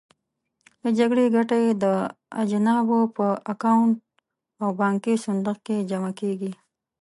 د جګړې ګټه یې د اجانبو په اکاونټ او بانکي صندوق کې جمع کېږي.